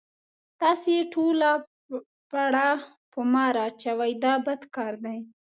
تاسې ټوله پړه په ما را اچوئ دا بد کار دی.